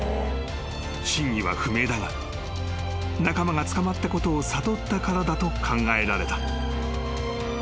［真意は不明だが仲間が捕まったことを悟ったからだと考えられた］